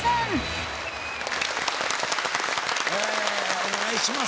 お願いします